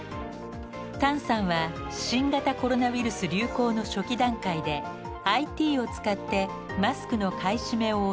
タンさんは新型コロナウイルス流行の初期段階でＩＴを使ってマスクの買い占めを抑えるのに成功。